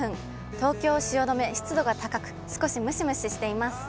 東京・汐留、湿度が高く少しムシムシしています。